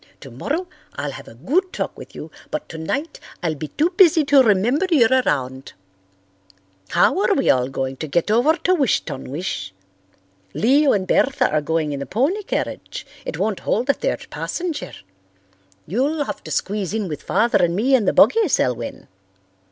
Tomorrow I'll have a good talk with you, but tonight I'll be too busy to remember you're around. How are we all going to get over to Wish ton wish? Leo and Bertha are going in the pony carriage. It won't hold a third passenger. You'll have to squeeze in with Father and me in the buggy, Selwyn."